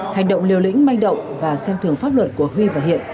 hành động liều lĩnh manh động và xem thường pháp luật của huy và hiện